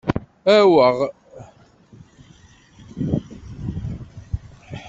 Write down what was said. Aweɣ.